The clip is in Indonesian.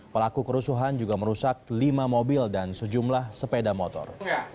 pelaku kerusuhan juga merusak lima mobil dan sejumlah sepeda motor